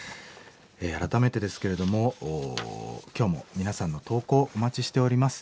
改めてですけれども今日も皆さんの投稿お待ちしております。